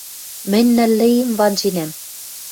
Мӹнь нӹллӹ им ванженӓм.